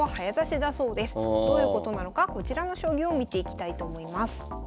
どういうことなのかこちらの将棋を見ていきたいと思います。